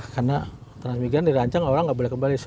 karena transmigrasia dirancang orang nggak boleh kembali